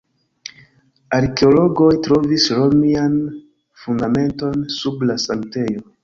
Arkeologoj trovis romian fundamenton sub la sanktejo.